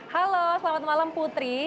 halo selamat malam putri